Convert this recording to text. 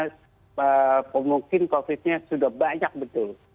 di mana mungkin covid nya sudah banyak betul